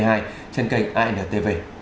trên kênh antv